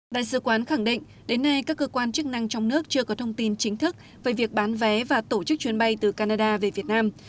đại sứ quán khẳng định đến nay các cơ quan chức năng trong nước chưa có thông tin chính thức về việc bán vé và tổ chức chuyến bay từ canada về việt nam